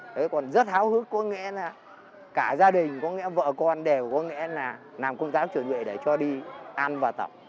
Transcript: thế còn rất hào hức có nghĩa là cả gia đình có nghĩa vợ con đều có nghĩa là làm công tác trưởng lệ để cho đi an và tẩm